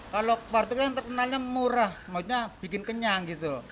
kalau warteg kan terkenalnya murah maksudnya bikin kenyang gitu